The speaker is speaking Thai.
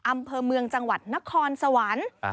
อำเภอเมืองจังหวัดนครสวรรค์